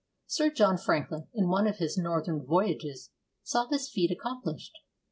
Sir John Franklin, in one of his northern voyages, saw this feat accomplished.